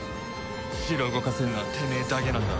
城動かせんのはてめえだけなんだ。